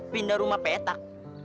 pindah rumah petak